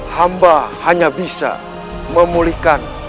hamba hanya bisa memulihkan